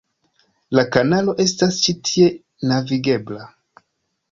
La kanalo estas ĉi tie navigebla.